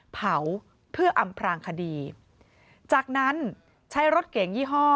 เผาเพื่ออำพลางคดีจากนั้นใช้รถเก่งยี่ห้อ